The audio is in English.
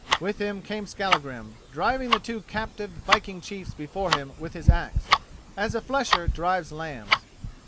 With him came Skallagrim, driving the two captive viking chiefs before him with his axe, as a flesher drives lambs.